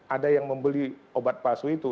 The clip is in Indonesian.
ada yang membeli obat palsu itu